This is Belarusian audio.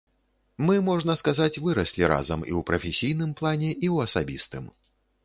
Мы, можна сказаць, выраслі разам і ў прафесійным плане, і ў асабістым.